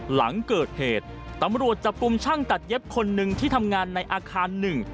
หลังเกิดเหตุตำรวจจับกลุ่มช่างตัดเย็บคนหนึ่งที่ทำงานในอาคารหนึ่ง